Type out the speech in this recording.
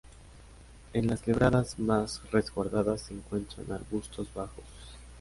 En las quebradas más resguardadas se encuentran arbustos bajos.